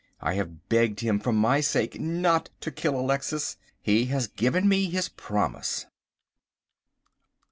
I have begged him for my sake not to kill Alexis. He has given me his promise.